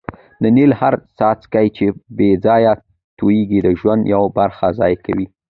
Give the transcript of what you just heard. د نل هر څاڅکی چي بې ځایه تویېږي د ژوند یوه برخه ضایع کوي.